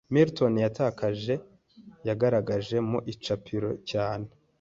Milton yatakaye yagaragaye mu icapiro cyane